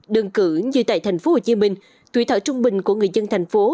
đơn cử như tại tp hcm tuổi thọ trung bình của người dân thành phố